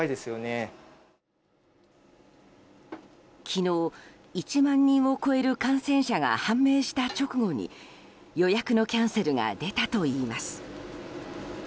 昨日、１万人を超える感染者が判明した直後に予約のキャンセルが出たといいます。